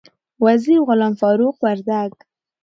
وزیر غلام فاروق وردک